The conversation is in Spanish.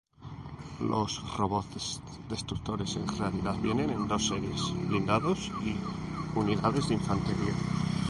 Los robots destructores en realidad vienen en dos series: blindados y unidades de infantería.